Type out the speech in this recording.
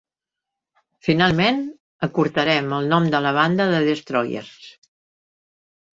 Finalment, acurtaren el nom de la banda a The Destroyers.